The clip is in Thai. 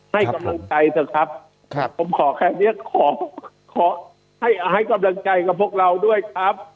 ให้กำลังใจเถอะครับผมขอแค่เนี้ยขอขอให้กำลังใจกับพวกเราด้วยครับ